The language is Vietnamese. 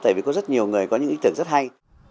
tại vì có rất nhiều người có những ý tưởng rất hay